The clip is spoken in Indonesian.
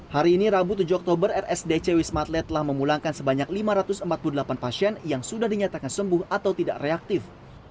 hari ini rabu tujuh oktober rsdc wismatlet telah memulangkan sebanyak lima ratus empat puluh delapan pasien yang sudah dinyatakan sembuh atau tidak reaktif